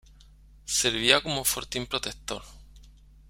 Servía como fortín protector.